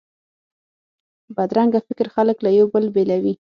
بدرنګه فکر خلک له یو بل بیلوي